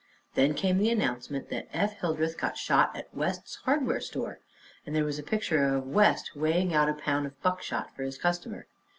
Then came the announcement that "Eph Hildreth got shot at West's hardware store," and there was a picture of West weighing out a pound of buckshot for his customer.